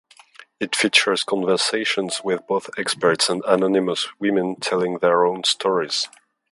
It features conversations with both experts and anonymous women telling their own stories.